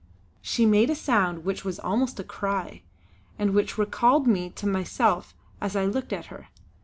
She made a sound which was almost a cry, and which recalled me to myself as I looked at her.